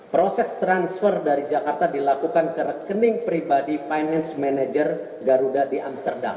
proses transfer dari jakarta dilakukan ke rekening pribadi finance manager garuda di amsterdam